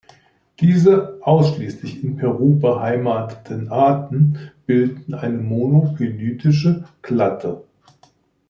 Diese ausschließlich in Peru beheimateten Arten bilden eine monophyletische Klade.